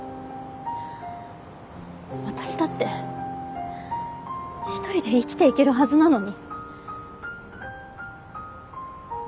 私だって１人で生きていけるはずなのに。